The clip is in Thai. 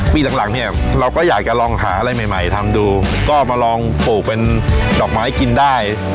ปีหลังหลังเนี่ยเราก็อยากจะลองหาอะไรใหม่ใหม่ทำดูก็มาลองปลูกเป็นดอกไม้กินได้